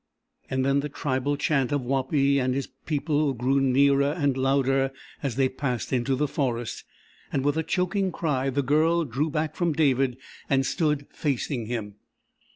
And then the tribal chant of Wapi and his people grew nearer and louder as they passed into the forest, and with a choking cry the Girl drew back from David and stood facing him.